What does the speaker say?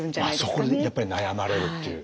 あっそこにやっぱり悩まれるっていう。